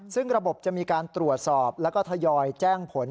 ซึ่งระบบจะมีการตรวจสอบแล้วก็ทยอยแจ้งผล